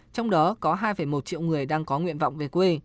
trong đó có hai một triệu người đang có nguyện vọng về quê